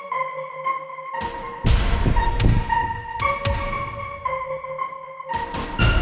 kau mau ke tempat itu